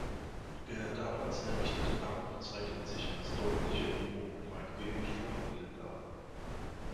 Der damals errichtete Damm zeichnet sich als deutliche Erhebung im weitgehend flachen Gelände ab.